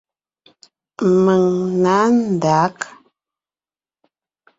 Mèŋ nǎ ndǎg.